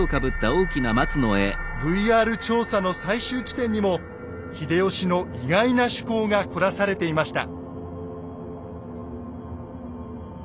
ＶＲ調査の最終地点にも秀吉の意外な趣向が凝らされていました。